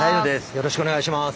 よろしくお願いします。